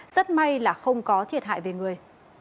rất may là không có thiệt hại về người